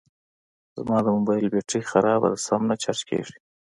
زما د موبایل بېټري خرابه ده سم نه چارج کېږي